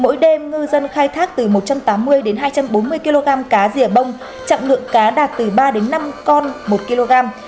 mỗi đêm ngư dân khai thác từ một trăm tám mươi hai trăm bốn mươi kg cá rìa bông chặng lượng cá đạt từ ba năm con một kg